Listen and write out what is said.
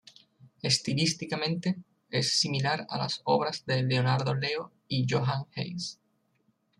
Estilísticamente, es similar a las obras de Leonardo Leo y Johann Hasse.